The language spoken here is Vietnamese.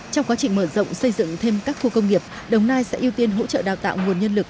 trong quá trình mở rộng xây dựng thêm các khu công nghiệp đồng nai sẽ ưu tiên hỗ trợ đào tạo nguồn nhân lực